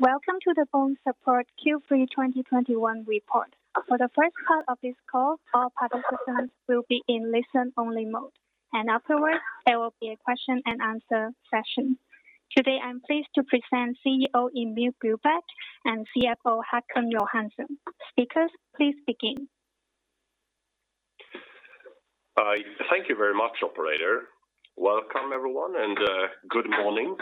Welcome to the BONESUPPORT Q3 2021 report. For the first part of this call, all participants will be in listen-only mode, and afterwards, there will be a question-and-answer session. Today, I'm pleased to present CEO Emil Billbäck and CFO Håkan Johansson. Speakers, please begin. Thank you very much, operator. Welcome, everyone, and good morning.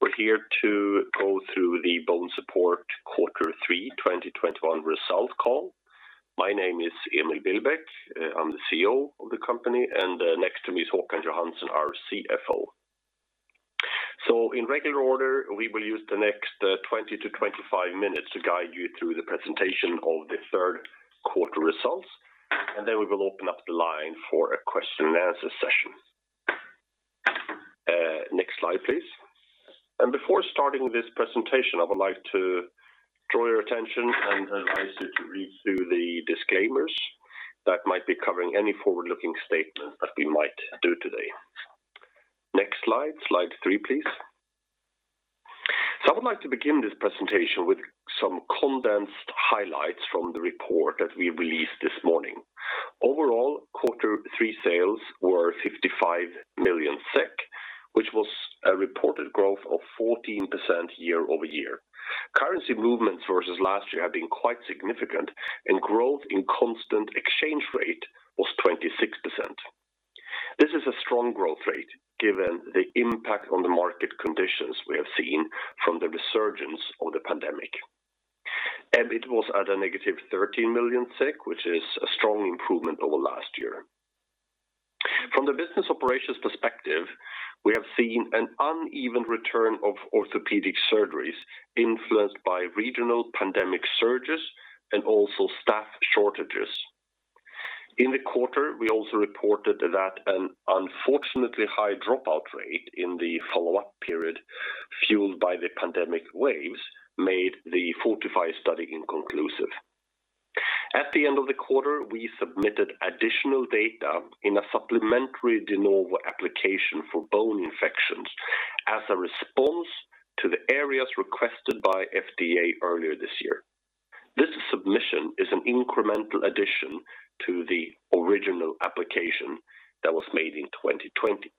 We're here to go through the BONESUPPORT Q3 2021 results call. My name is Emil Billbäck. I'm the CEO of the company, and next to me is Håkan Johansson, our CFO. In regular order, we will use the next 20-25 minutes to guide you through the presentation of the third quarter results, and then we will open up the line for a question-and-answer session. Next slide, please. Before starting this presentation, I would like to draw your attention and advise you to read through the disclaimers that might be covering any forward-looking statements that we might do today. Next slide three, please. I would like to begin this presentation with some condensed highlights from the report that we released this morning. Overall, quarter three sales were 55 million SEK, which was a reported growth of 14% year-over-year. Currency movements versus last year have been quite significant, and growth in constant exchange rate was 26%. This is a strong growth rate given the impact on the market conditions we have seen from the resurgence of the pandemic. EBIT was at a negative 13 million SEK, which is a strong improvement over last year. From the business operations perspective, we have seen an uneven return of orthopedic surgeries influenced by regional pandemic surges and also staff shortages. In the quarter, we also reported that an unfortunately high dropout rate in the follow-up period fueled by the pandemic waves made the FORTIFY study inconclusive. At the end of the quarter, we submitted additional data in a supplementary De Novo application for bone infections as a response to the areas requested by FDA earlier this year. This submission is an incremental addition to the original application that was made in 2020.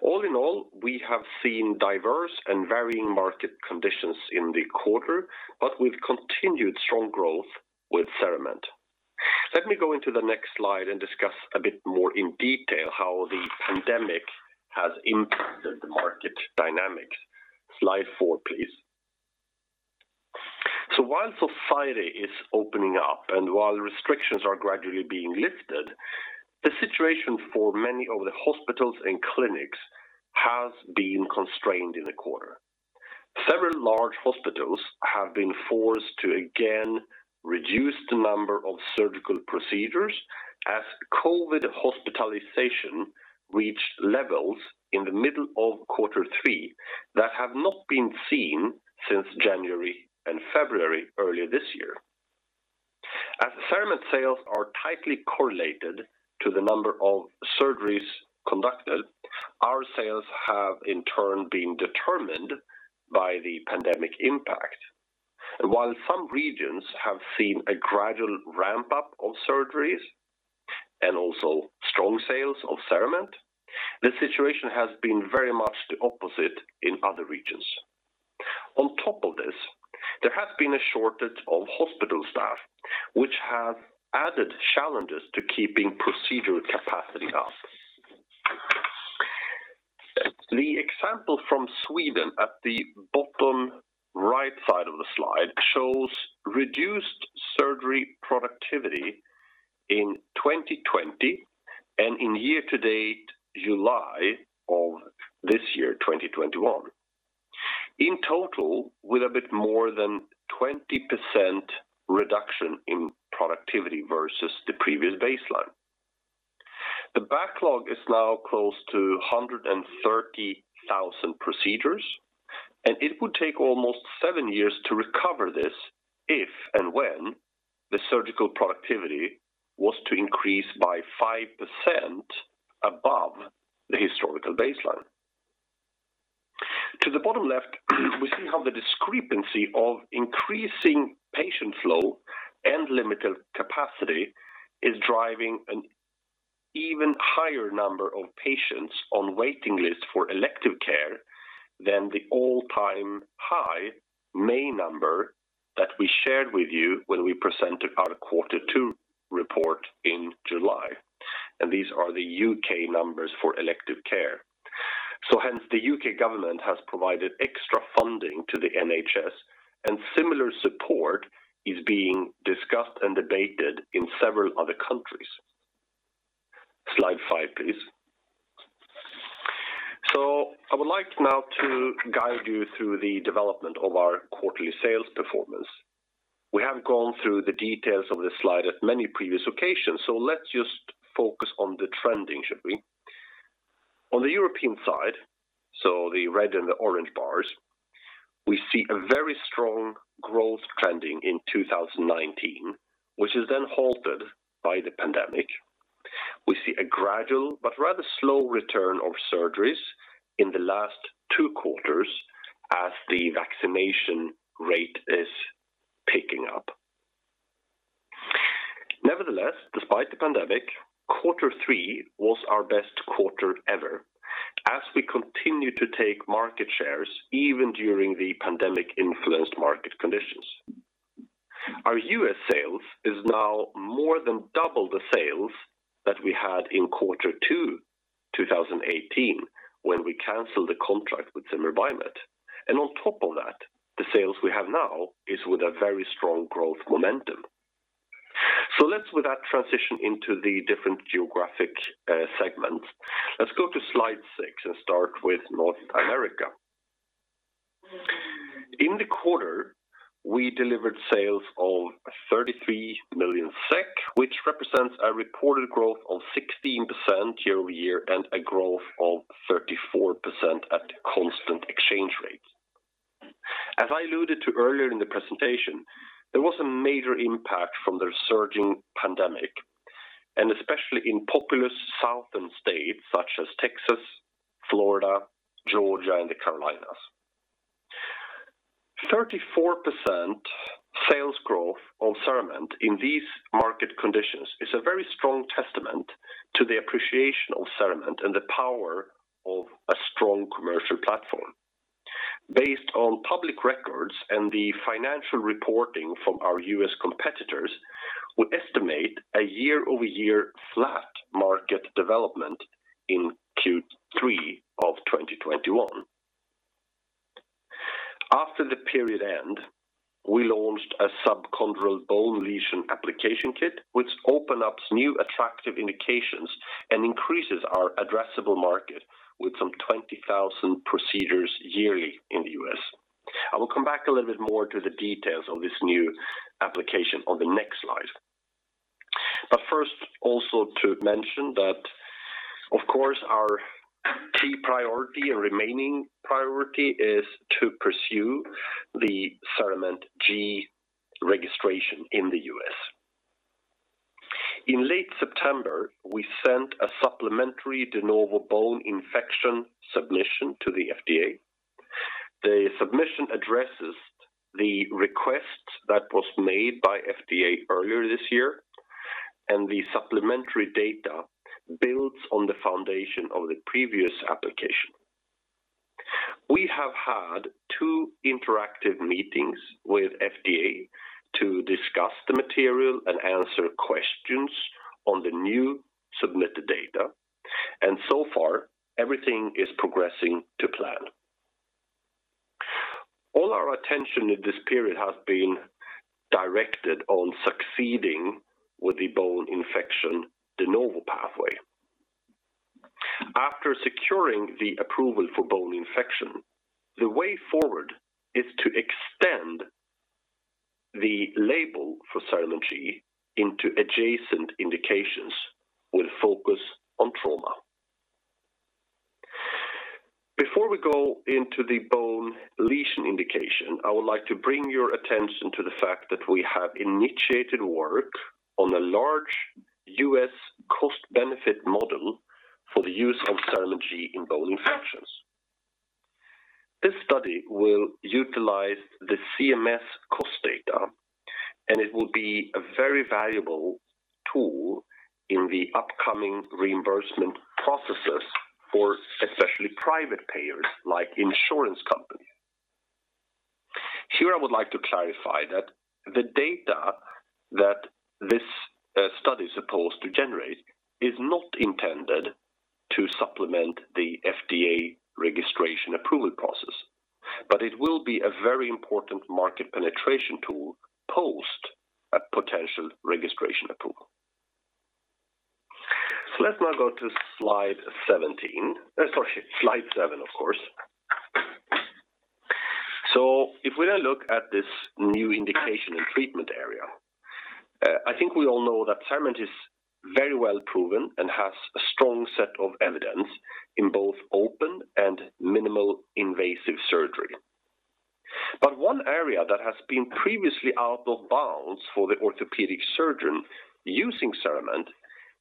All in all, we have seen diverse and varying market conditions in the quarter, but we've continued strong growth with CERAMENT. Let me go into the next slide and discuss a bit more in detail how the pandemic has impacted the market dynamics. Slide four, please. While society is opening up and while restrictions are gradually being lifted, the situation for many of the hospitals and clinics has been constrained in the quarter. Several large hospitals have been forced to again reduce the number of surgical procedures as COVID hospitalization reached levels in the middle of quarter three that have not been seen since January and February earlier this year. As CERAMENT sales are tightly correlated to the number of surgeries conducted, our sales have in turn been determined by the pandemic impact. While some regions have seen a gradual ramp-up of surgeries and also strong sales of CERAMENT, the situation has been very much the opposite in other regions. On top of this, there has been a shortage of hospital staff, which has added challenges to keeping procedural capacity up. The example from Sweden at the bottom right side of the slide shows reduced surgery productivity in 2020 and in year-to-date July of this year, 2021. In total, with a bit more than 20% reduction in productivity versus the previous baseline. The backlog is now close to 130,000 procedures, and it would take almost 7 years to recover this if and when the surgical productivity was to increase by 5% above the historical baseline. To the bottom left, we see how the discrepancy of increasing patient flow and limited capacity is driving an even higher number of patients on waiting lists for elective care than the all-time high May number that we shared with you when we presented our Q2 report in July. These are the U.K. numbers for elective care. Hence, the U.K. government has provided extra funding to the NHS, and similar support is being discussed and debated in several other countries. Slide five, please. I would like now to guide you through the development of our quarterly sales performance. We have gone through the details of this slide at many previous occasions, so let's just focus on the trending, shall we? On the European side, so the red and the orange bars, we see a very strong growth trending in 2019, which is then halted by the pandemic. We see a gradual but rather slow return of surgeries in the last two quarters as the vaccination rate is picking up. Nevertheless, despite the pandemic, quarter three was our best quarter ever as we continue to take market shares even during the pandemic-influenced market conditions. Our U.S. sales is now more than double the sales that we had in quarter two, 2018 when we canceled the contract with Zimmer Biomet. On top of that, the sales we have now is with a very strong growth momentum. Let's with that transition into the different geographic segments. Let's go to slide six and start with North America. In the quarter, we delivered sales of 33 million SEK, which represents a reported growth of 16% year-over-year and a growth of 34% at constant exchange rate. As I alluded to earlier in the presentation, there was a major impact from the surging pandemic, and especially in populous southern states such as Texas, Florida, Georgia, and the Carolinas. 34% sales growth of CERAMENT in these market conditions is a very strong testament to the appreciation of CERAMENT and the power of a strong commercial platform. Based on public records and the financial reporting from our U.S. competitors, we estimate a year-over-year flat market development in Q3 of 2021. After the period end, we launched a subchondral bone lesion application kit, which opens up new attractive indications and increases our addressable market with some 20,000 procedures yearly in the U.S. I will come back a little bit more to the details of this new application on the next slide. First, also to mention that of course our key priority and remaining priority is to pursue the CERAMENT G registration in the U.S. In late September, we sent a supplementary De Novo bone infection submission to the FDA. The submission addresses the request that was made by FDA earlier this year, and the supplementary data builds on the foundation of the previous application. We have had two interactive meetings with FDA to discuss the material and answer questions on the new submitted data, and so far everything is progressing to plan. All our attention in this period has been directed on succeeding with the bone infection De Novo pathway. After securing the approval for bone infection, the way forward is to extend the label for CERAMENT G into adjacent indications with focus on trauma. Before we go into the bone lesion indication, I would like to bring your attention to the fact that we have initiated work on a large U.S. cost-benefit model for the use of CERAMENT G in bone infections. This study will utilize the CMS cost data, and it will be a very valuable tool in the upcoming reimbursement processes for especially private payers like insurance companies. Here I would like to clarify that the data that this study is supposed to generate is not intended to supplement the FDA registration approval process, but it will be a very important market penetration tool post a potential registration approval. Let's now go to slide 17. Sorry, slide seven, of course. If we now look at this new indication and treatment area, I think we all know that CERAMENT is very well proven and has a strong set of evidence in both open and minimally invasive surgery. One area that has been previously out of bounds for the orthopedic surgeon using CERAMENT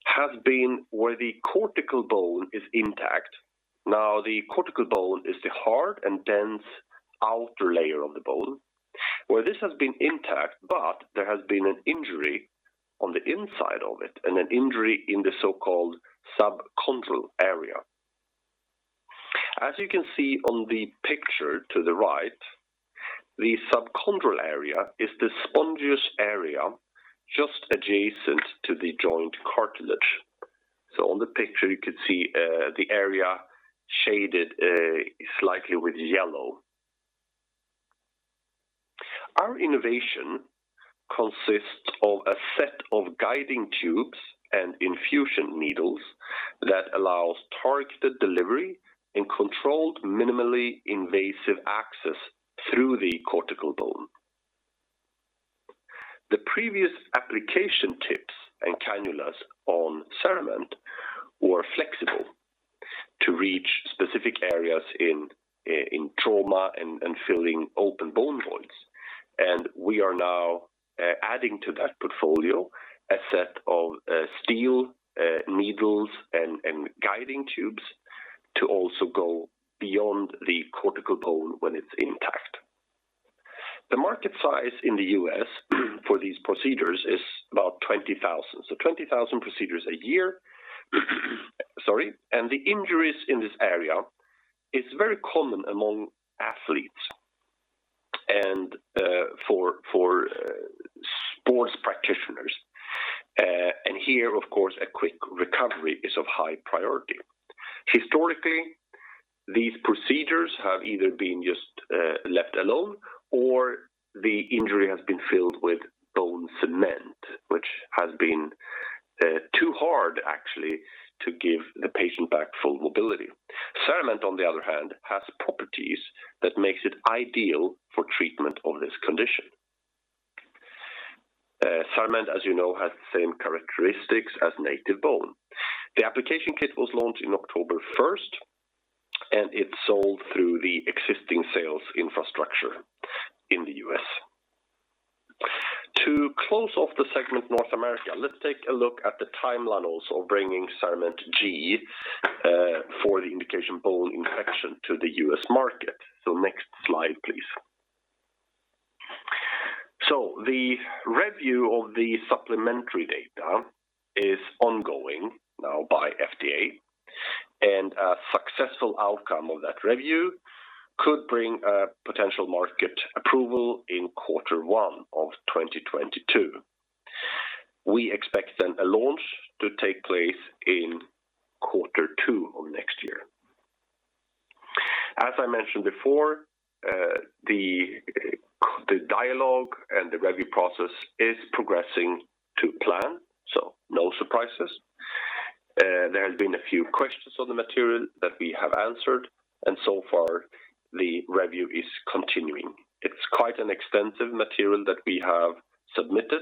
has been where the cortical bone is intact. Now, the cortical bone is the hard and dense outer layer of the bone. Where this has been intact, but there has been an injury on the inside of it and an injury in the so-called subchondral area. As you can see on the picture to the right, the subchondral area is the spongy area just adjacent to the joint cartilage. On the picture, you can see the area shaded slightly with yellow. Our innovation consists of a set of guiding tubes and infusion needles that allows targeted delivery and controlled minimally invasive access through the cortical bone. The previous application tips and cannulas on CERAMENT were flexible to reach specific areas in trauma and filling open bone voids. We are now adding to that portfolio a set of steel needles and guiding tubes to also go beyond the cortical bone when it's intact. The market size in the U.S. for these procedures is about 20,000. 20,000 procedures a year. Sorry. The injuries in this area is very common among athletes and, for sports practitioners. Here, of course, a quick recovery is of high priority. Historically, these procedures have either been just left alone or the injury has been filled with bone cement, which has been too hard actually to give the patient back full mobility. CERAMENT, on the other hand, has properties that makes it ideal for treatment of this condition. CERAMENT, as you know, has the same characteristics as native bone. The application kit was launched in October 1st, and it's sold through the existing sales infrastructure in the U.S. To close off the segment North America, let's take a look at the timeline also of bringing CERAMENT G for the indication bone infection to the U.S. market. Next slide, please. The review of the supplementary data is ongoing now by FDA, and a successful outcome of that review could bring a potential market approval in quarter one of 2022. We expect then a launch to take place in quarter two of next year. As I mentioned before, the dialogue and the review process is progressing to plan, so no surprises. There has been a few questions on the material that we have answered, and so far the review is continuing. It's quite an extensive material that we have submitted,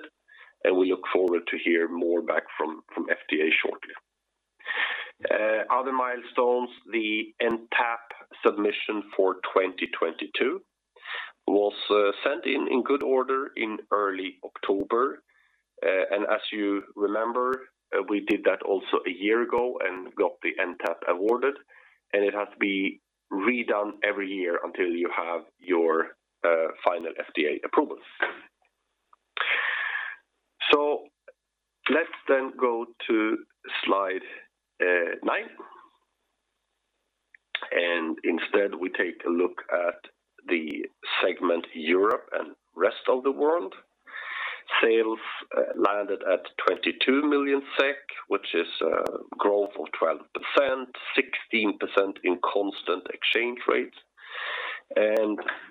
and we look forward to hear more back from FDA shortly. Other milestones, the NTAP submission for 2022 was sent in good order in early October. As you remember, we did that also a year ago and got the NTAP awarded, and it has to be redone every year until you have your final FDA approvals. Let's then go to slide nine. Instead we take a look at the segment Europe and Rest of the World. Sales landed at 22 million SEK, which is growth of 12%, 16% in constant exchange rates.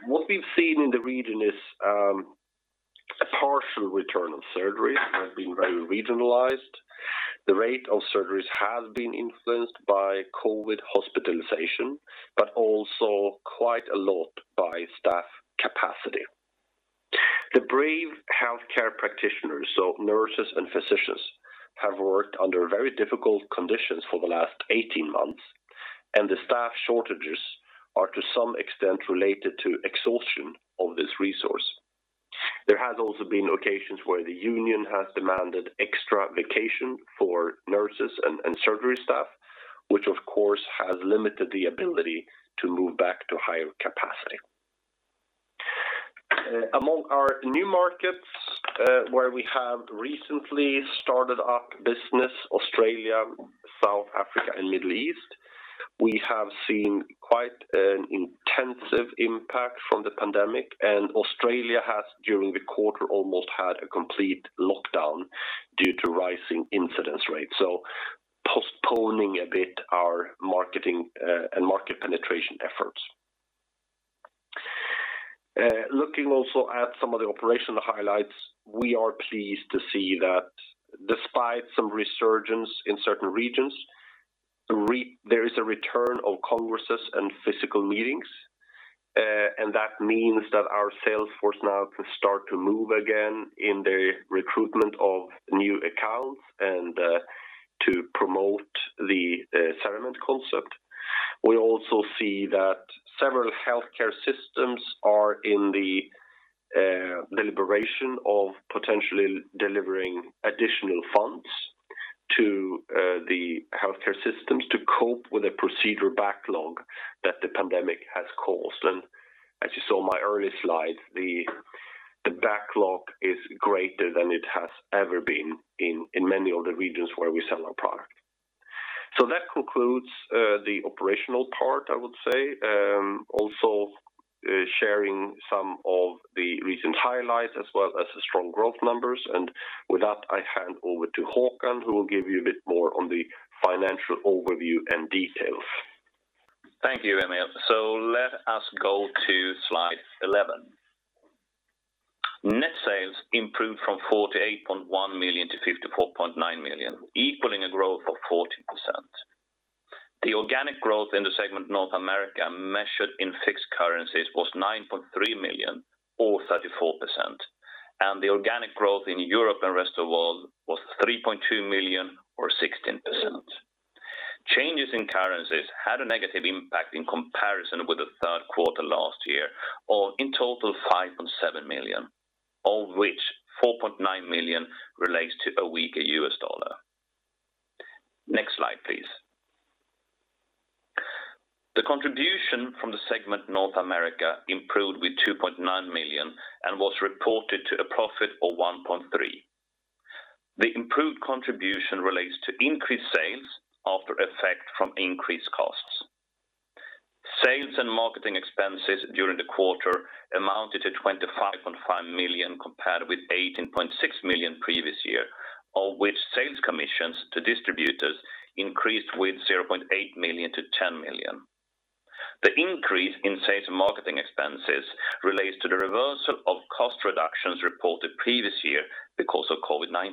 What we've seen in the region is a partial return of surgery has been very regionalized. The rate of surgeries has been influenced by COVID hospitalization, but also quite a lot by staff capacity. The brave healthcare practitioners, so nurses and physicians, have worked under very difficult conditions for the last 18 months, and the staff shortages are to some extent related to exhaustion of this resource. There has also been occasions where the union has demanded extra vacation for nurses and surgery staff, which of course has limited the ability to move back to higher capacity. Among our new markets, where we have recently started up business, Australia, South Africa, and Middle East, we have seen quite an intensive impact from the pandemic. Australia has, during the quarter, almost had a complete lockdown due to rising incidence rates, so postponing a bit our marketing and market penetration efforts. Looking also at some of the operational highlights, we are pleased to see that despite some resurgence in certain regions, there is a return of congresses and physical meetings. That means that our sales force now can start to move again in the recruitment of new accounts and to promote the CERAMENT concept. We also see that several healthcare systems are in the deliberation of potentially delivering additional funds to the healthcare systems to cope with a procedure backlog that the pandemic has caused. As you saw in my earlier slide, the backlog is greater than it has ever been in many of the regions where we sell our product. That concludes the operational part, I would say. Also, sharing some of the recent highlights as well as the strong growth numbers. With that, I hand over to Håkan, who will give you a bit more on the financial overview and details. Thank you, Emil. Let us go to slide 11. Net sales improved from 48.1 million to 54.9 million, equaling a growth of 14%. The organic growth in the North America segment measured in fixed currencies was 9.3 million or 34%. The organic growth in Europe and rest of world was 3.2 million or 16%. Changes in currencies had a negative impact in comparison with the third quarter last year, or in total 5.7 million, of which 4.9 million relates to a weaker US dollar. Next slide, please. The contribution from the North America segment improved with 2.9 million and was reported to a profit of 1.3. The improved contribution relates to increased sales after effect from increased costs. Sales and marketing expenses during the quarter amounted to 25.5 million compared with 18.6 million previous year, of which sales commissions to distributors increased with 0.8 million to 10 million. The increase in sales and marketing expenses relates to the reversal of cost reductions reported previous year because of COVID-19.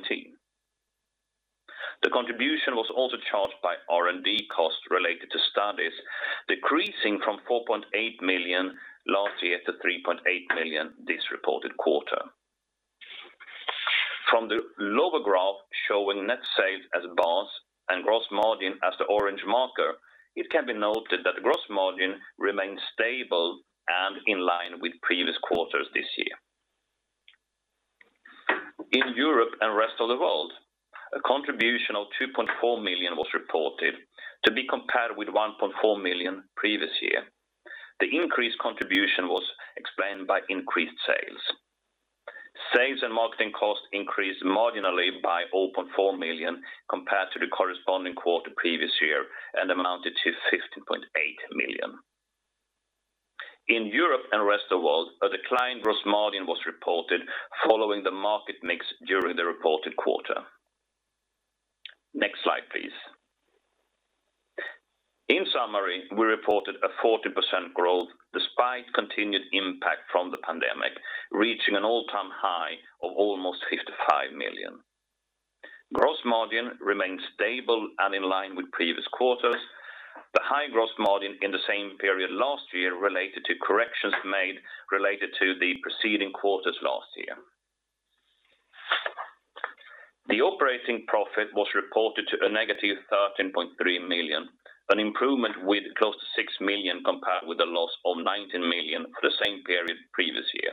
The contribution was also charged by R&D costs related to studies, decreasing from 4.8 million last year to 3.8 million this reported quarter. From the lower graph showing net sales as bars and gross margin as the orange marker, it can be noted that the gross margin remains stable and in line with previous quarters this year. In Europe and rest of the world, a contribution of 2.4 million was reported to be compared with 1.4 million previous year. The increased contribution was explained by increased sales. Sales and marketing costs increased marginally by 0.4 million compared to the corresponding quarter previous year and amounted to 15.8 million. In Europe and rest of world, a declined gross margin was reported following the market mix during the reported quarter. Next slide, please. In summary, we reported a 40% growth despite continued impact from the pandemic, reaching an all-time high of almost 55 million. Gross margin remains stable and in line with previous quarters. The high gross margin in the same period last year related to corrections made related to the preceding quarters last year. The operating profit was reported to -13.3 million, an improvement with close to 6 million compared with a loss of 19 million for the same period previous year.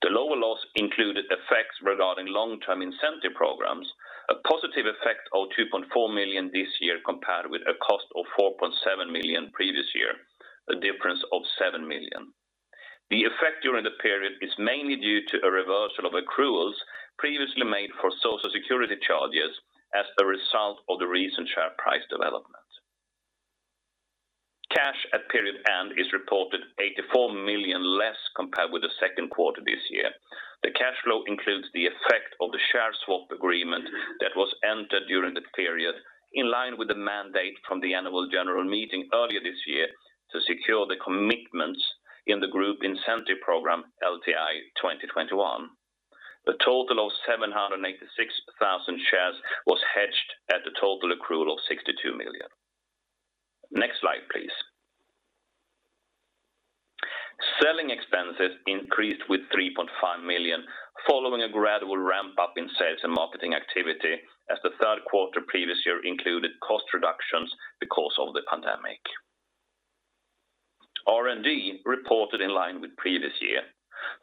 The lower loss included effects regarding long-term incentive programs, a positive effect of 2.4 million this year compared with a cost of 4.7 million previous year, a difference of 7 million. The effect during the period is mainly due to a reversal of accruals previously made for Social Security charges as a result of the recent share price development. Cash at period end is reported 84 million less compared with the second quarter this year. The cash flow includes the effect of the share swap agreement that was entered during the period in line with the mandate from the annual general meeting earlier this year to secure the commitments in the group incentive program, LTI 2021. The total of 786,000 shares was hedged at a total accrual of 62 million. Next slide, please. Selling expenses increased with 3.5 million following a gradual ramp up in sales and marketing activity as the third quarter previous year included cost reductions because of the pandemic. R&D reported in line with previous year.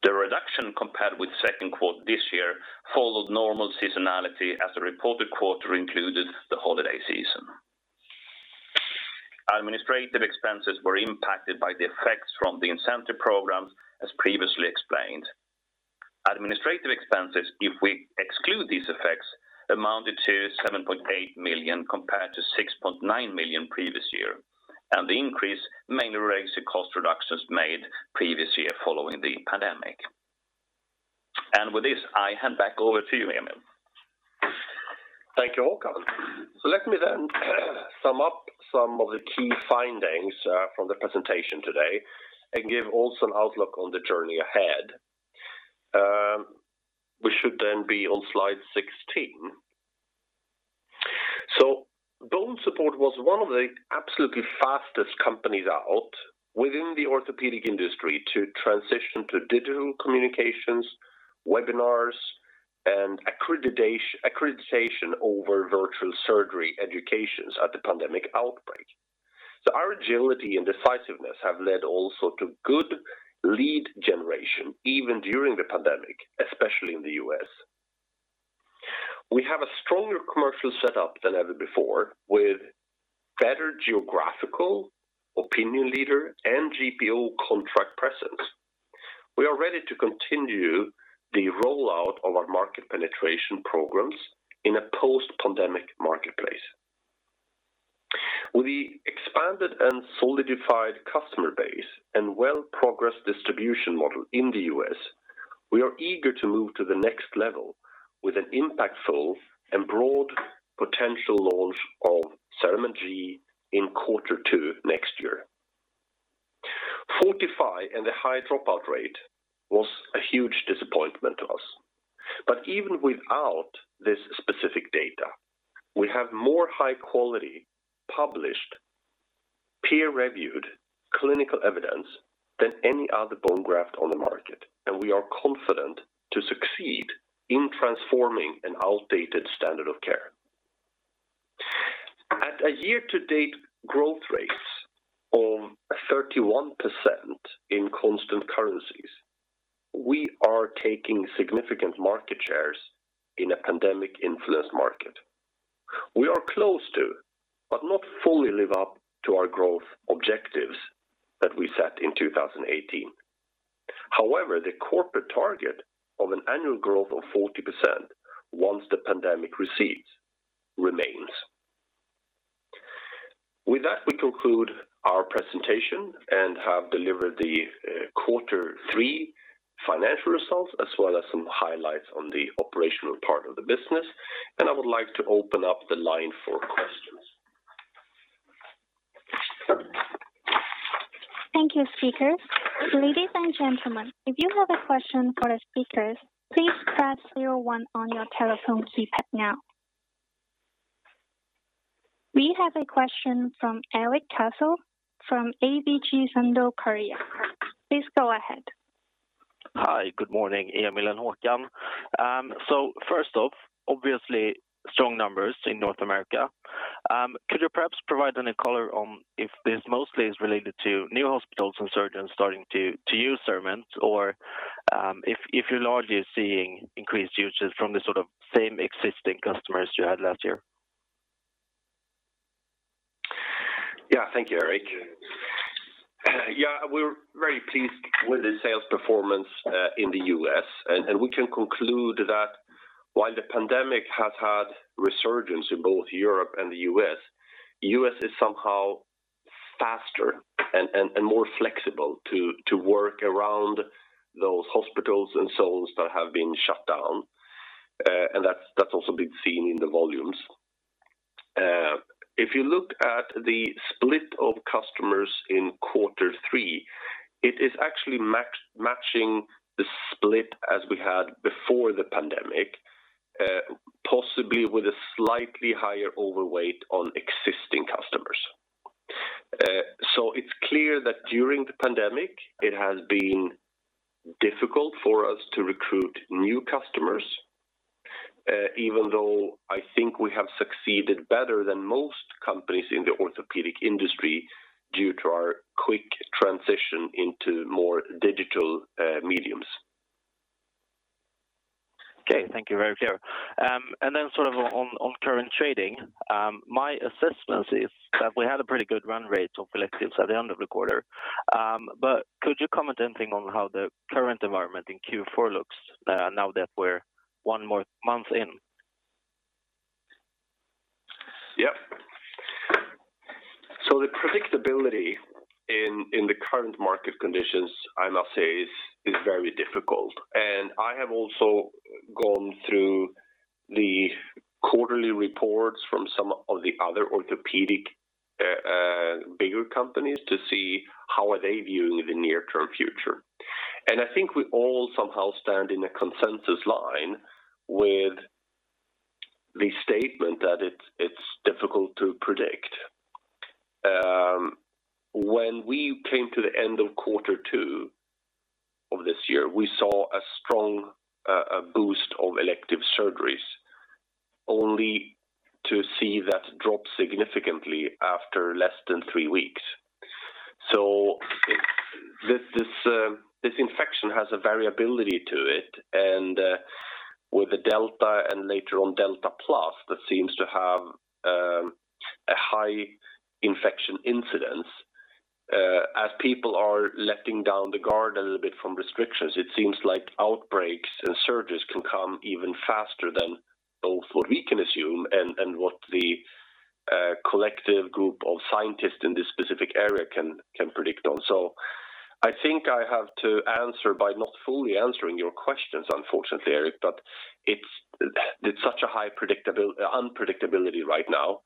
The reduction compared with second quarter this year followed normal seasonality as the reported quarter included the holiday season. Administrative expenses were impacted by the effects from the incentive programs, as previously explained. Administrative expenses, if we exclude these effects, amounted to 7.8 million compared to 6.9 million previous year, and the increase mainly relates to cost reductions made previous year following the pandemic. With this, I hand back over to you, Emil. Thank you, Håkan. Let me then sum up some of the key findings from the presentation today and give also an outlook on the journey ahead. We should then be on slide 16. BONESUPPORT was one of the absolutely fastest companies out within the orthopedic industry to transition to digital communications, webinars, and accreditation over virtual surgery educations at the pandemic outbreak. Our agility and decisiveness have led also to good lead generation, even during the pandemic, especially in the U.S. We have a stronger commercial setup than ever before with better geographical opinion leader and GPO contract presence. We are ready to continue the rollout of our market penetration programs in a post-pandemic marketplace. With the expanded and solidified customer base and well-progressed distribution model in the US, we are eager to move to the next level with an impactful and broad potential launch of CERAMENT G in quarter two next year. FORTIFY and the high dropout rate was a huge disappointment, of course. Even without this specific data, we have more high quality published peer-reviewed clinical evidence than any other bone graft on the market, and we are confident to succeed in transforming an outdated standard of care. At a year-to-date growth rate of 31% in constant currencies, we are taking significant market shares in a pandemic influenced market. We are close to, but not fully live up to our growth objectives that we set in 2018. However, the corporate target of an annual growth of 40% once the pandemic recedes remains. With that, we conclude our presentation and have delivered the quarter three financial results as well as some highlights on the operational part of the business. I would like to open up the line for questions. Thank you, speakers. Ladies and gentlemen, if you have a question for the speakers, please press zero one on your telephone keypad now. We have a question from Erik Cassel from ABG Sundal Collier. Please go ahead. Hi, good morning, Emil and Håkan. First off, obviously strong numbers in North America. Could you perhaps provide any color on if this mostly is related to new hospitals and surgeons starting to use CERAMENT or if you're largely seeing increased usage from the sort of same existing customers you had last year? Yeah, thank you, Erik. Yeah, we're very pleased with the sales performance in the U.S. We can conclude that while the pandemic has had resurgence in both Europe and the U.S., the U.S. is somehow faster and more flexible to work around those hospitals and so those that have been shut down. That's also been seen in the volumes. If you look at the split of customers in quarter three, it is actually matching the split as we had before the pandemic, possibly with a slightly higher overweight on existing customers. It's clear that during the pandemic it has been difficult for us to recruit new customers, even though I think we have succeeded better than most companies in the orthopedic industry due to our quick transition into more digital mediums. Okay. Thank you. Very clear. Sort of on current trading, my assessment is that we had a pretty good run rate of electives at the end of the quarter. Could you comment on how the current environment in Q4 looks, now that we're one more month in? The predictability in the current market conditions, I must say is very difficult. I have also gone through the quarterly reports from some of the other orthopedic bigger companies to see how they are viewing the near term future. I think we all somehow stand in a consensus line with the statement that it's difficult to predict. When we came to the end of quarter two of this year, we saw a strong boost of elective surgeries only to see that drop significantly after less than three weeks. This infection has a variability to it. With the Delta and later on Delta plus, that seems to have a high infection incidence. As people are letting down the guard a little bit from restrictions, it seems like outbreaks and surges can come even faster than both what we can assume and what the collective group of scientists in this specific area can predict on. I think I have to answer by not fully answering your questions unfortunately, Eric, but it's such a high unpredictability right now.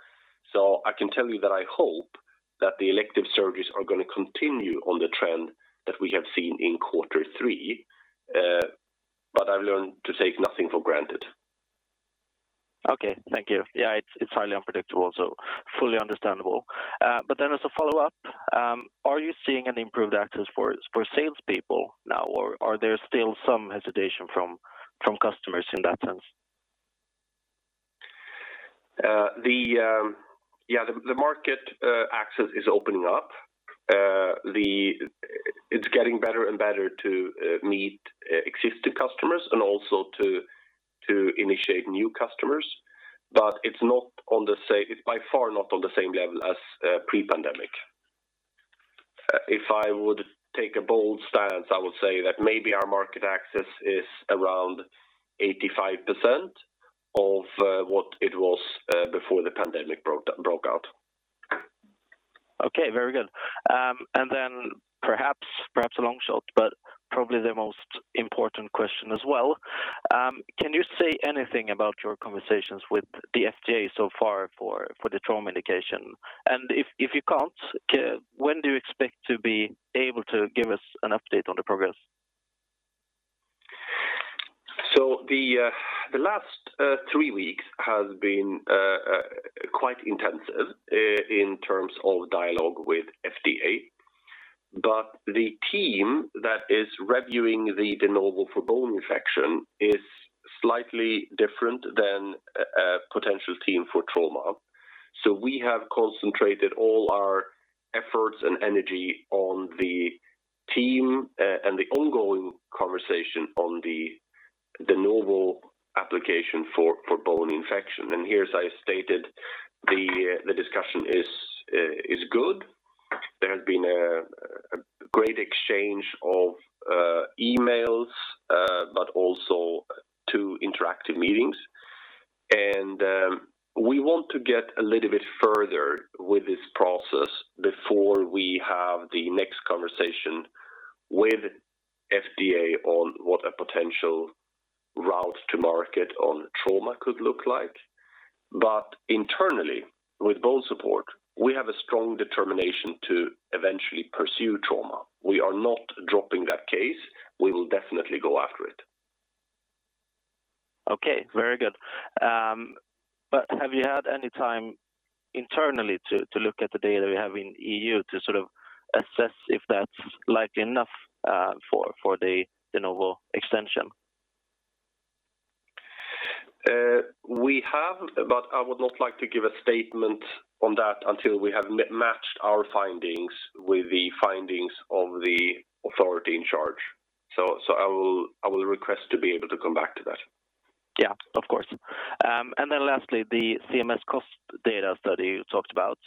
I can tell you that I hope that the elective surgeries are gonna continue on the trend that we have seen in quarter three. I've learned to take nothing for granted. Okay. Thank you. Yeah, it's highly unpredictable, so fully understandable. As a follow-up, are you seeing an improved access for salespeople now, or are there still some hesitation from customers in that sense? The market access is opening up. It's getting better and better to meet existing customers and also to initiate new customers. It's by far not on the same level as pre-pandemic. If I would take a bold stance, I would say that maybe our market access is around 85% of what it was before the pandemic broke out. Okay. Very good. Perhaps a long shot, but probably the most important question as well. Can you say anything about your conversations with the FDA so far for the trauma indication? If you can't, when do you expect to be able to give us an update on the progress? The last three weeks has been quite intensive in terms of dialogue with FDA. The team that is reviewing the De Novo for bone infection is slightly different than a potential team for trauma. We have concentrated all our efforts and energy on the team and the ongoing conversation on the De Novo application for bone infection. Here, as I stated, the discussion is good. There has been a great exchange of emails but also two interactive meetings. We want to get a little bit further with this process before we have the next conversation with FDA on what a potential route to market on trauma could look like. Internally, with BONESUPPORT, we have a strong determination to eventually pursue trauma. We are not dropping that case. We will definitely go after it. Have you had any time internally to look at the data you have in EU to sort of assess if that's likely enough for the De Novo extension? We have, but I would not like to give a statement on that until we have matched our findings with the findings of the authority in charge. I will request to be able to come back to that. Yeah, of course. Lastly, the CMS cost data study you talked about.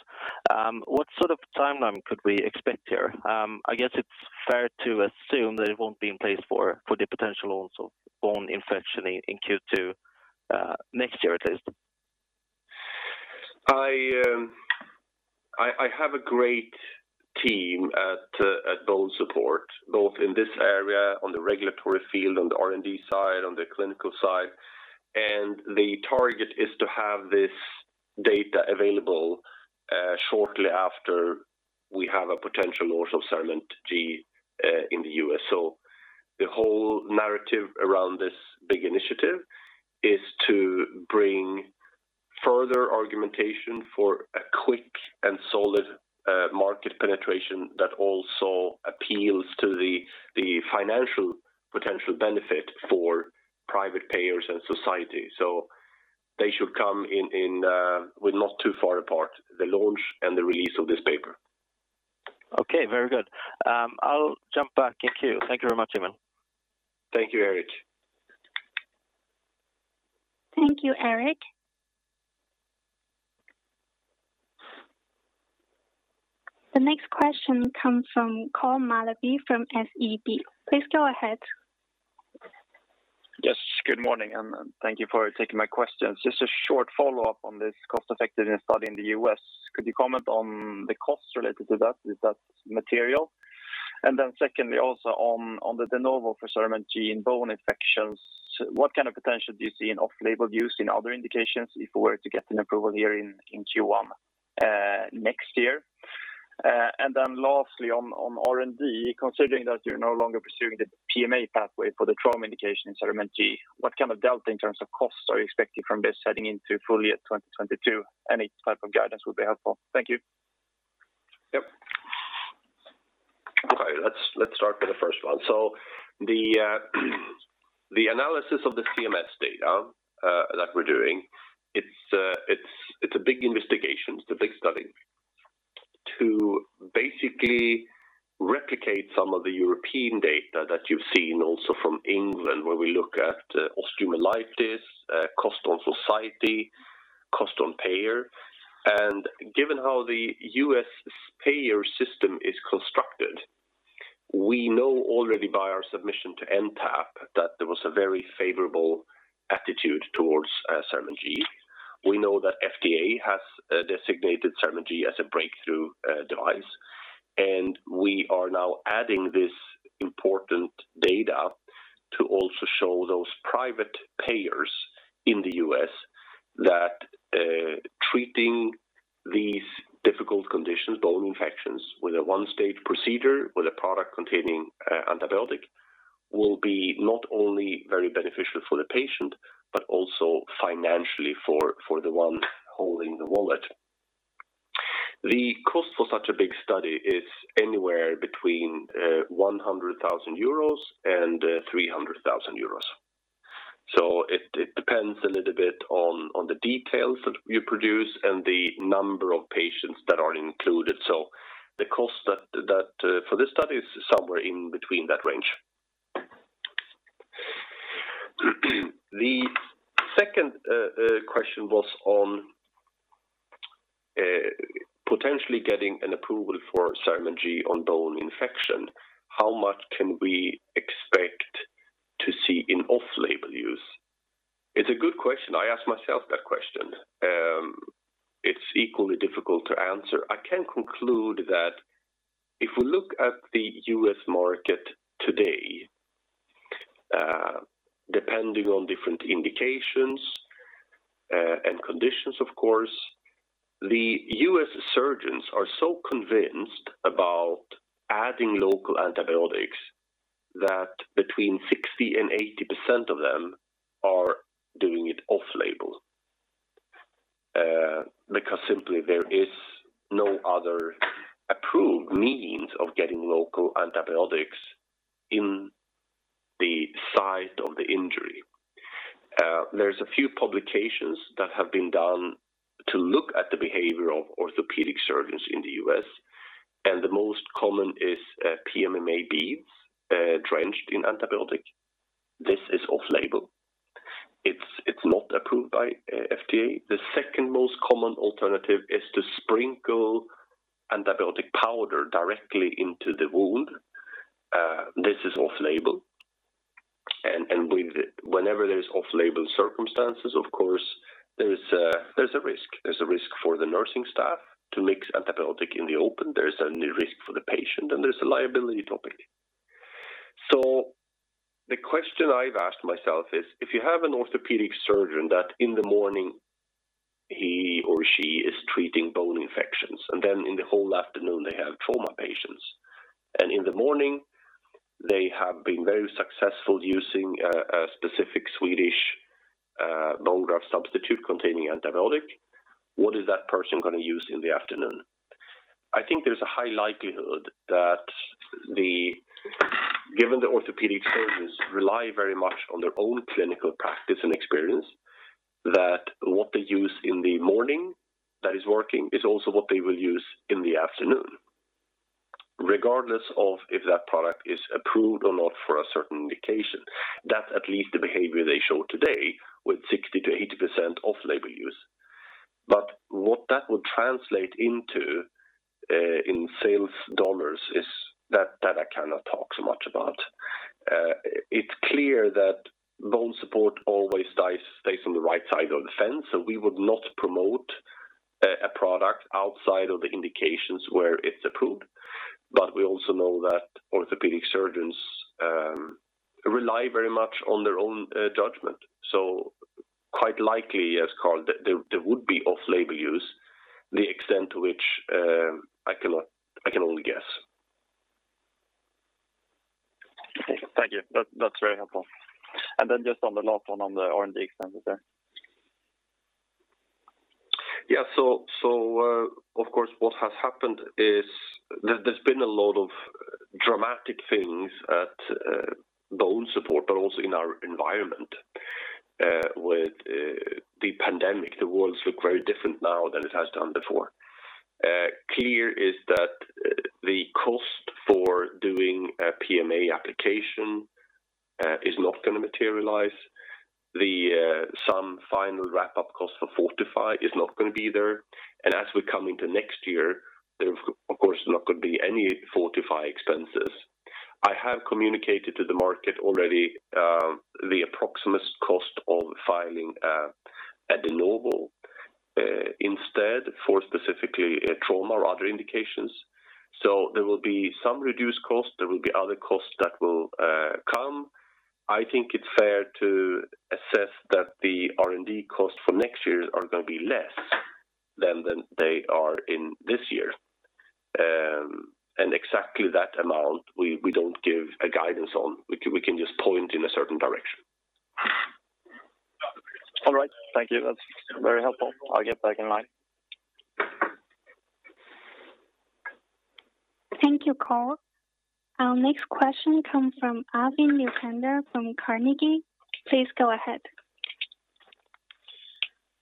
What sort of timeline could we expect here? I guess it's fair to assume that it won't be in place for the potential launch of bone infection in Q2 next year at least. I have a great team at BONESUPPORT, both in this area on the regulatory field, on the R&D side, on the clinical side. The target is to have this data available shortly after we have a potential launch of CERAMENT G in the U.S. The whole narrative around this big initiative is to bring further argumentation for a quick and solid market penetration that also appeals to the financial potential benefit for private payers and society. They should come in with not too far apart, the launch and the release of this paper. Okay, very good. I'll jump back in queue. Thank you very much, Emil. Thank you, Erik. Thank you, Erik. The next question comes from Carl Mellerby from SEB. Please go ahead. Yes, good morning, and thank you for taking my questions. Just a short follow-up on this cost-effectiveness study in the U.S. Could you comment on the costs related to that? Is that material? And then secondly, also on the De Novo for CERAMENT G in bone infections, what kind of potential do you see in off-label use in other indications if we were to get an approval here in Q1 next year? And then lastly, on R&D, considering that you're no longer pursuing the PMA pathway for the trauma indication in CERAMENT G, what kind of delta in terms of costs are you expecting from this heading into full year 2022? Any type of guidance would be helpful. Thank you. Okay, let's start with the first one. The analysis of the CMS data that we're doing, it's a big investigation. It's a big study to basically replicate some of the European data that you've seen also from England, where we look at osteomyelitis cost on society, cost on payer. Given how the U.S. payer system is constructed, we know already by our submission to NTAP that there was a very favorable attitude towards CERAMENT G. We know that FDA has designated CERAMENT G as a Breakthrough Device. We are now adding this important data to also show those private payers in the U.S. that treating these difficult conditions, bone infections, with a one-stage procedure, with a product containing antibiotic, will be not only very beneficial for the patient but also financially for the one holding the wallet. The cost for such a big study is anywhere between 100,000 euros and 300,000 euros. It depends a little bit on the details that you produce and the number of patients that are included. The cost for this study is somewhere in between that range. The second question was on potentially getting an approval for CERAMENT G on bone infection. How much can we expect to see in off-label use? It's a good question. I ask myself that question. It's equally difficult to answer. I can conclude that if we look at the U.S. market today, depending on different indications and conditions of course. The U.S. surgeons are so convinced about adding local antibiotics that between 60% and 80% of them are doing it off-label. Because simply there is no other approved means of getting local antibiotics in the site of the injury. There's a few publications that have been done to look at the behavior of orthopedic surgeons in the U.S., and the most common is PMMA beads drenched in antibiotic. This is off-label. It's not approved by FDA. The second most common alternative is to sprinkle antibiotic powder directly into the wound. This is off-label. With whenever there's off-label circumstances, of course, there is a risk. There's a risk for the nursing staff to mix antibiotic in the open. There's a new risk for the patient, and there's a liability topic. The question I've asked myself is, if you have an orthopedic surgeon that in the morning he or she is treating bone infections, and then in the whole afternoon they have trauma patients. In the morning, they have been very successful using a specific Swedish bone graft substitute containing antibiotic. What is that person gonna use in the afternoon? I think there's a high likelihood that given the orthopedic surgeons rely very much on their own clinical practice and experience, what they use in the morning that is working is also what they will use in the afternoon, regardless of if that product is approved or not for a certain indication. That's at least the behavior they show today with 60%-80% off-label use. What that would translate into in sales dollars is that I cannot talk so much about. It's clear that BONESUPPORT always does stays on the right side of the fence, we would not promote a product outside of the indications where it's approved. We also know that orthopedic surgeons rely very much on their own judgment. Quite likely, as Carl there would be off-label use, the extent to which I can only guess. Thank you. That, that's very helpful. Just on the last one on the R&D expenses there. Of course, what has happened is there's been a lot of dramatic things at BONESUPPORT, but also in our environment with the pandemic. The world look very different now than it has done before. Clear is that the cost for doing a PMA application is not gonna materialize. Some final wrap-up cost for FORTIFY is not gonna be there. As we come into next year, there of course not gonna be any FORTIFY expenses. I have communicated to the market already the approximate cost of filing at De Novo instead for specifically trauma or other indications. There will be some reduced costs, there will be other costs that will come. I think it's fair to assess that the R&D costs for next year are gonna be less than they are in this year. Exactly that amount, we don't give a guidance on. We can just point in a certain direction. All right. Thank you. That's very helpful. I'll get back in line. Thank you, Carl. Our next question comes from Arvid Necander from Carnegie. Please go ahead.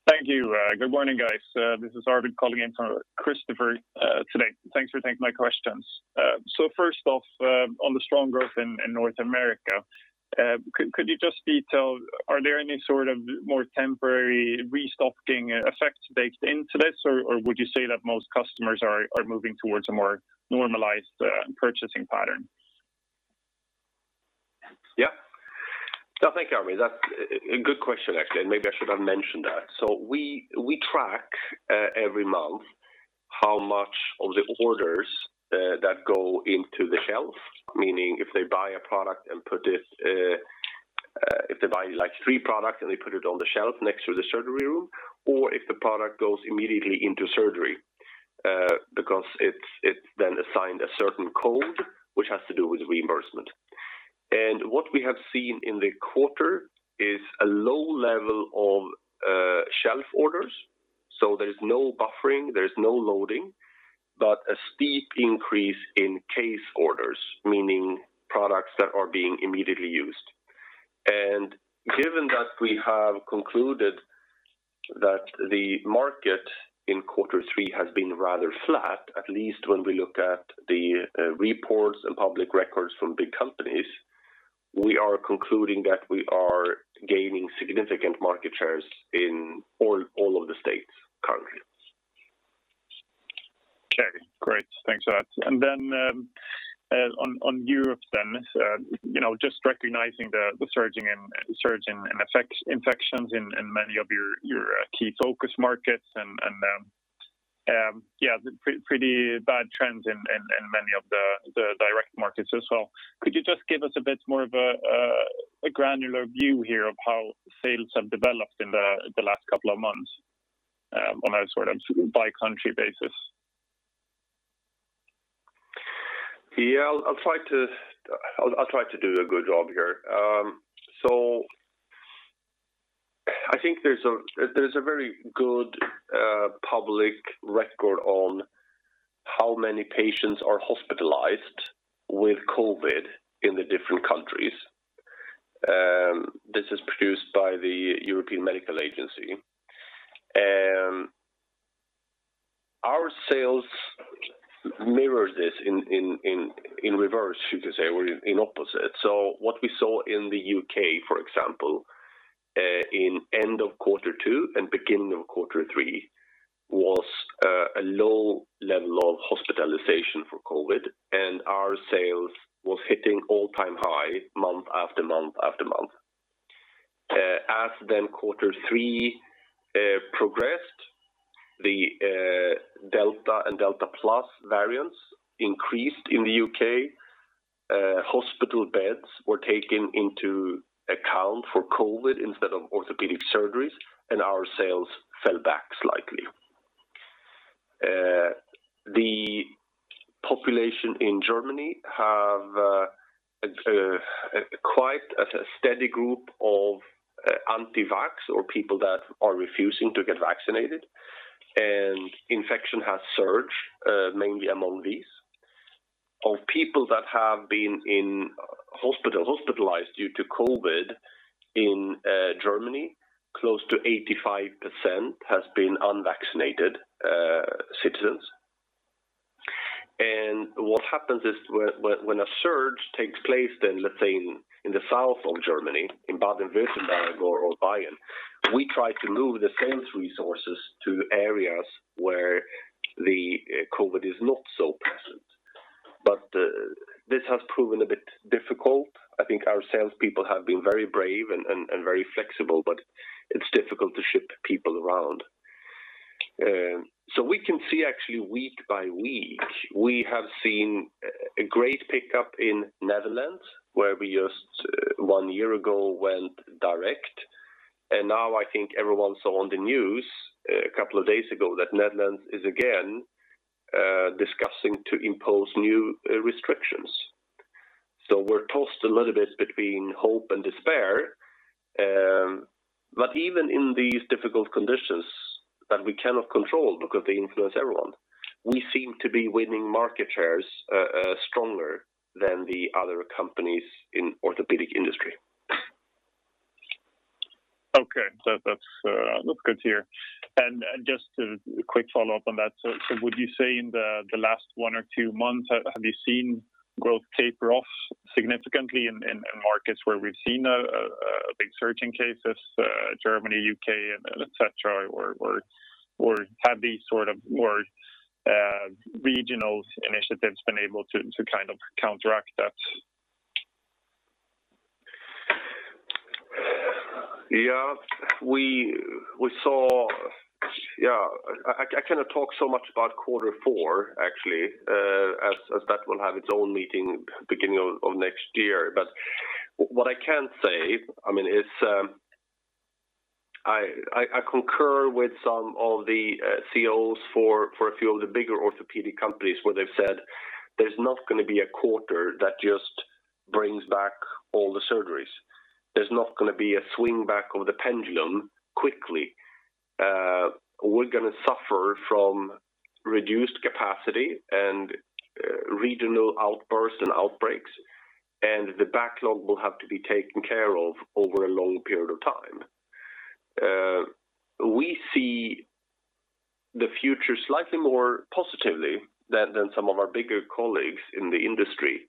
Thank you. Good morning, guys. This is Arvid calling in from Kristofer today. Thanks for taking my questions. First off, on the strong growth in North America, could you just detail, are there any sort of more temporary restocking effects baked into this? Or would you say that most customers are moving towards a more normalized purchasing pattern? Yeah. No, thank you, Arvid. That's a good question, actually, and maybe I should have mentioned that. We track every month how much of the orders that go into the shelf, meaning if they buy like three products and they put it on the shelf next to the surgery room, or if the product goes immediately into surgery, because it's then assigned a certain code which has to do with reimbursement. What we have seen in the quarter is a low level of shelf orders. There is no buffering, there is no loading, but a steep increase in case orders, meaning products that are being immediately used. Given that we have concluded that the market in quarter three has been rather flat, at least when we look at the reports and public records from big companies, we are concluding that we are gaining significant market shares in all of the states currently. Okay, great. Thanks for that. Then on Europe then you know just recognizing the surge in infections in many of your key focus markets and yeah pretty bad trends in many of the direct markets as well. Could you just give us a bit more of a granular view here of how sales have developed in the last couple of months on a sort of by country basis? Yeah, I'll try to do a good job here. I think there's a very good public record on how many patients are hospitalized with COVID in the different countries. This is produced by the European Medicines Agency. Our sales mirror this in reverse, should I say, or in opposite. What we saw in the U.K., for example, in end of quarter two and beginning of quarter three was a low level of hospitalization for COVID, and our sales was hitting all-time high month after month after month. As quarter three progressed, the Delta and Delta Plus variants increased in the U.K. Hospital beds were taken into account for COVID instead of orthopedic surgeries, and our sales fell back slightly. The population in Germany has a quite steady group of anti-vax or people that are refusing to get vaccinated, and infection has surged mainly among these. Of people that have been hospitalized due to COVID in Germany, close to 85% has been unvaccinated citizens. What happens is when a surge takes place, then let's say in the south of Germany, in Baden-Württemberg or Bayern, we try to move the sales resources to areas where the COVID is not so present. This has proven a bit difficult. I think our salespeople have been very brave and very flexible, but it's difficult to ship people around. We can see actually week by week, we have seen a great pickup in Netherlands, where we just one year ago went direct. Now I think everyone saw on the news a couple of days ago that Netherlands is again discussing to impose new restrictions. We're tossed a little bit between hope and despair. Even in these difficult conditions that we cannot control because they influence everyone, we seem to be winning market shares stronger than the other companies in orthopedic industry. Okay. That's good to hear. Just a quick follow-up on that. Would you say in the last one or two months, have you seen growth taper off significantly in markets where we've seen a big surge in cases, Germany, U.K. and et cetera? Have these sort of more regional initiatives been able to kind of counteract that? I cannot talk so much about quarter four actually, as that will have its own meeting beginning of next year. What I can say, I mean, is I concur with some of the CEOs for a few of the bigger orthopedic companies where they've said there's not gonna be a quarter that just brings back all the surgeries. There's not gonna be a swing back of the pendulum quickly. We're gonna suffer from reduced capacity and regional outbursts and outbreaks, and the backlog will have to be taken care of over a long period of time. We see the future slightly more positively than some of our bigger colleagues in the industry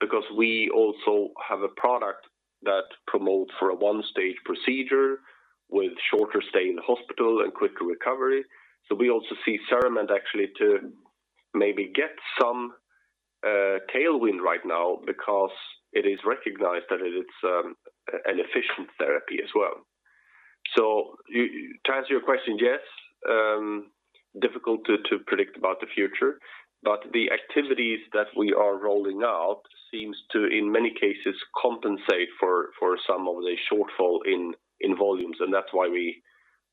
because we also have a product that promotes for a one-stage procedure with shorter stay in the hospital and quicker recovery. We also see CERAMENT actually to maybe get some tailwind right now because it is recognized that it's an efficient therapy as well. You, to answer your question, yes, difficult to predict about the future, but the activities that we are rolling out seems to, in many cases, compensate for some of the shortfall in volumes, and that's why we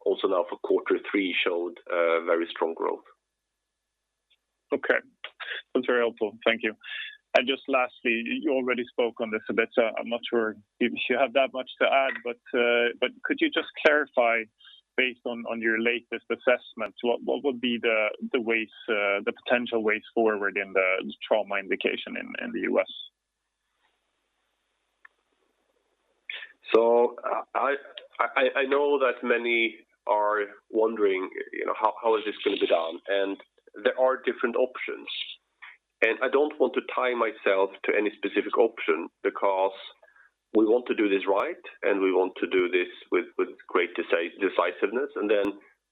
also now for quarter three showed a very strong growth. Okay. That's very helpful. Thank you. Just lastly, you already spoke on this a bit, so I'm not sure if you have that much to add, but could you just clarify based on your latest assessment, what would be the ways, the potential ways forward in the trauma indication in the U.S.? I know that many are wondering, you know, how is this gonna be done? There are different options. I don't want to tie myself to any specific option because we want to do this right, and we want to do this with great decisiveness.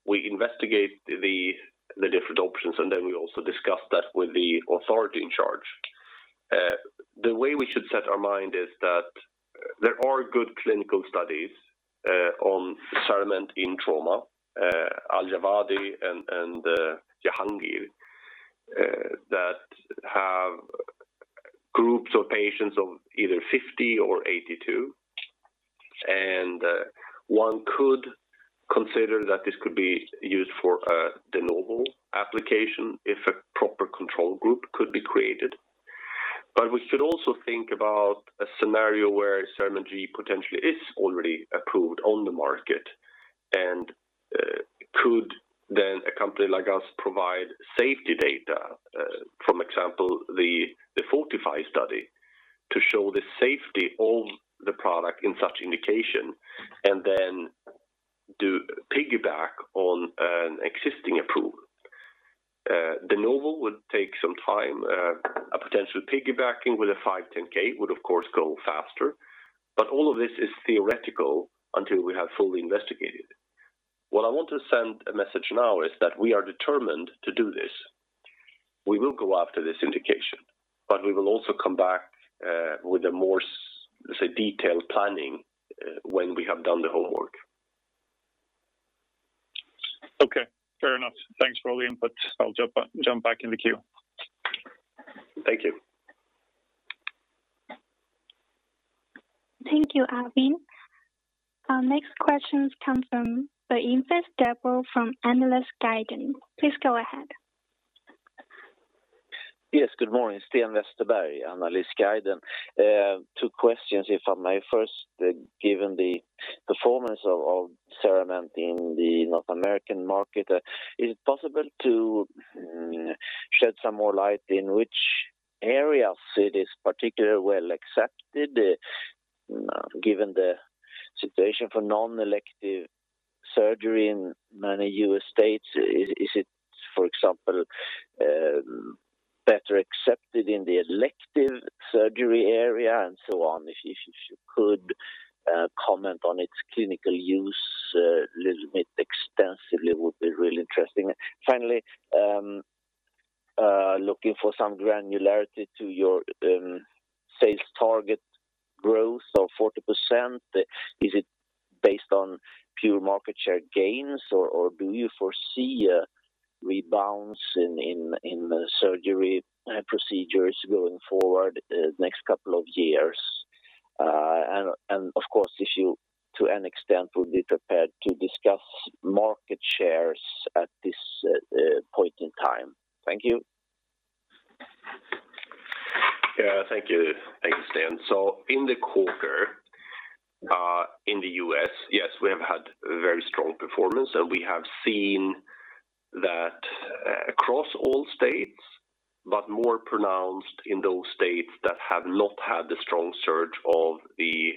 We investigate the different options, and we also discuss that with the authority in charge. The way we should set our mind is that there are good clinical studies on CERAMENT in trauma, Al-Jawadi and Jahangir that have groups of patients of either 50 or 82. One could consider that this could be used for the novel application if a proper control group could be created. We should also think about a scenario where CERAMENT G potentially is already approved on the market, and could then a company like us provide safety data, for example, the FORTIFY study to show the safety of the product in such indication and then piggyback on an existing approval. The De Novo would take some time. A potential piggybacking with a 510(k) would of course go faster. All of this is theoretical until we have fully investigated. What I want to send as a message now is that we are determined to do this. We will go after this indication, but we will also come back with a more, say, detailed planning when we have done the homework. Okay, fair enough. Thanks for all the input. I'll jump back in the queue. Thank you. Thank you, Arvid. Our next question comes from the Investor Sten Westerberg from Analysguiden. Please go ahead. Yes, good morning. Sten Westerberg, Analysguiden. Two questions, if I may. First, given the performance of CERAMENT in the North American market, is it possible to shed some more light on which areas it is particularly well accepted, given the situation for non-elective surgery in many U.S. states? Is it, for example, better accepted in the elective surgery area and so on? If you could comment on its clinical use a little bit more extensively, that would be really interesting. Finally, looking for some granularity to your sales target growth of 40%. Is it based on pure market share gains or do you foresee a rebalance in surgery procedures going forward the next couple of years? Of course, if you, to an extent, would be prepared to discuss market shares at this point in time. Thank you. Yeah, thank you. Thank you, Sten. In the quarter, in the U.S., yes, we have had very strong performance, and we have seen that across all states, but more pronounced in those states that have not had the strong surge of the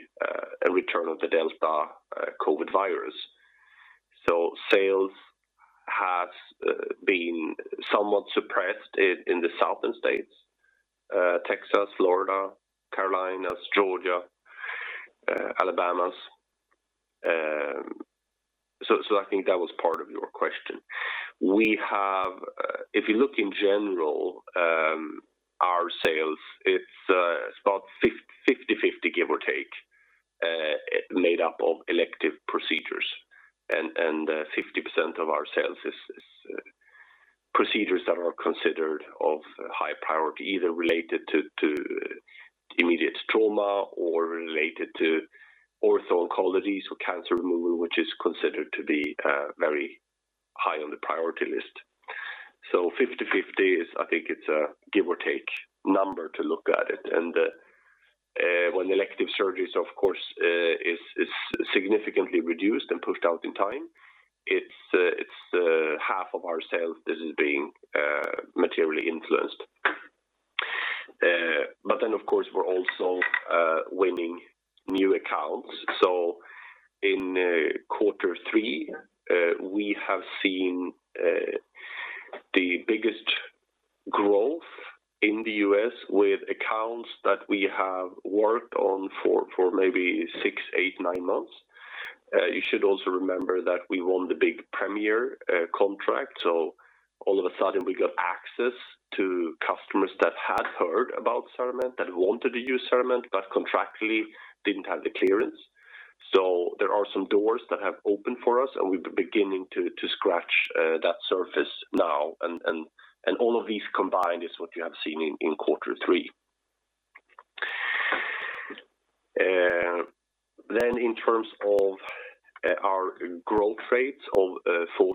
return of the Delta COVID virus. Sales has been somewhat suppressed in the southern states, Texas, Florida, Carolinas, Georgia, Alabama. I think that was part of your question. If you look in general, our sales, it's about 50/50 give or take, made up of elective procedures. 50% of our sales is procedures that are considered of high priority, either related to immediate trauma or related to orthopedic oncology or cancer removal, which is considered to be very high on the priority list. 50/50 is, I think, it's a give or take number to look at it. When elective surgeries, of course, is significantly reduced and pushed out in time, it's half of our sales that is being materially influenced. Of course, we're also winning new accounts. In quarter three, we have seen the biggest growth in the U.S. with accounts that we have worked on for maybe six, eight, nine months. You should also remember that we won the big Premier contract. All of a sudden we got access to customers that had heard about CERAMENT, that wanted to use CERAMENT, but contractually didn't have the clearance. There are some doors that have opened for us, and we're beginning to scratch that surface now. All of these combined is what you have seen in quarter three. In terms of our growth rates of 40%,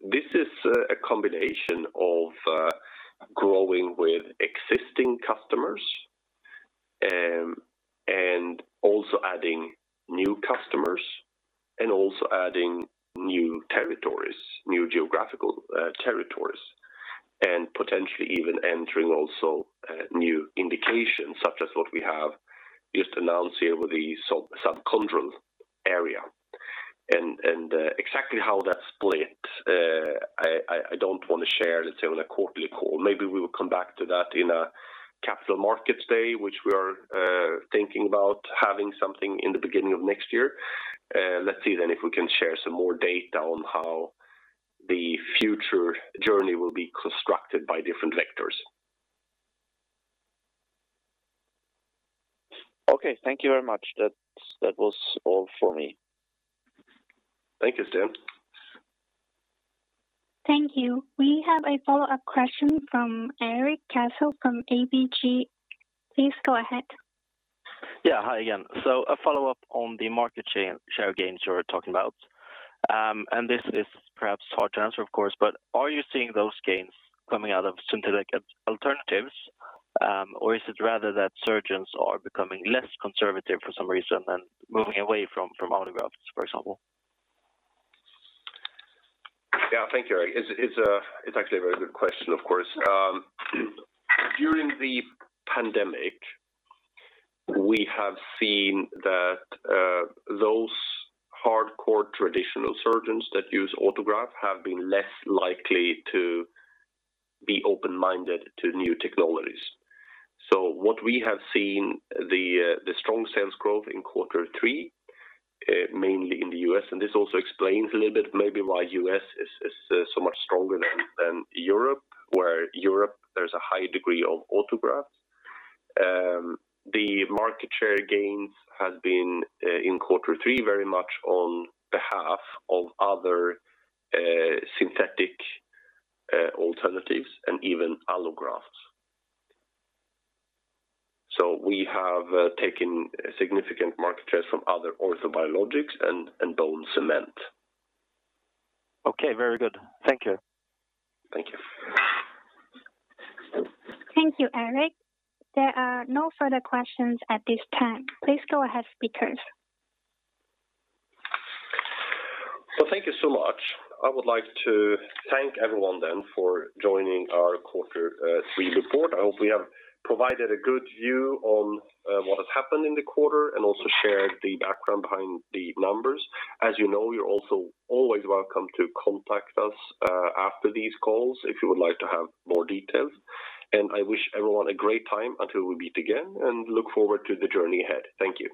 this is a combination of growing with existing customers and also adding new customers and also adding new territories, new geographical territories, and potentially even entering also new indications such as what we have just announced here with the subchondral area. Exactly how that's split, I don't want to share, let's say, on a quarterly call. Maybe we will come back to that in a Capital Markets Day, which we are thinking about having something in the beginning of next year. Let's see if we can share some more data on how the future journey will be constructed by different vectors. Okay, thank you very much. That was all for me. Thank you, Sten. Thank you. We have a follow-up question from Erik Cassel from ABG. Please go ahead. Yeah. Hi again. A follow-up on the market share gains you were talking about. This is perhaps hard to answer, of course, but are you seeing those gains coming out of synthetic alternatives? Or is it rather that surgeons are becoming less conservative for some reason and moving away from autografts, for example? Yeah. Thank you, Erik. It's actually a very good question, of course. During the pandemic, we have seen that those hardcore traditional surgeons that use autograft have been less likely to be open-minded to new technologies. What we have seen the strong sales growth in quarter three, mainly in the U.S., and this also explains a little bit maybe why U.S. is so much stronger than Europe. Where Europe there's a high degree of autografts. The market share gains has been in quarter three, very much on behalf of other synthetic alternatives and even allografts. We have taken significant market shares from other orthobiologics and bone cement. Okay, very good. Thank you. Thank you. Thank you, Erik. There are no further questions at this time. Please go ahead, speakers. Thank you so much. I would like to thank everyone then for joining our quarter three report. I hope we have provided a good view on what has happened in the quarter and also shared the background behind the numbers. As you know, you're also always welcome to contact us after these calls if you would like to have more details. I wish everyone a great time until we meet again and look forward to the journey ahead. Thank you.